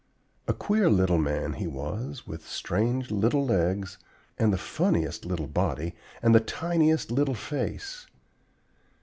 A queer little man he was, with strange little legs, and the funniest little body, and the tiniest little face!